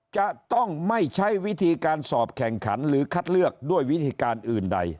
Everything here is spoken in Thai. จะต้องไม่ใช้วิธีการสอบแข่งขันหรือคัดเลือกด้วยวิธีการอื่นใด